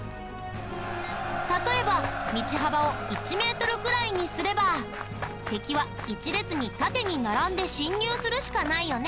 例えば道幅を１メートルくらいにすれば敵は１列に縦に並んで侵入するしかないよね。